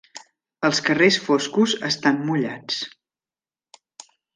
Els carrers foscos estan mullats.